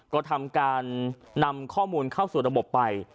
ก็ทำการนำข้อมูลเข้าสู่ระบบไป